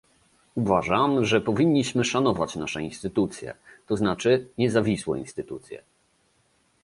Uważam, że powinniśmy szanować nasze instytucje, to znaczy niezawisłe instytucje